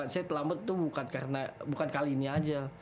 saya terlambat tuh bukan kali ini aja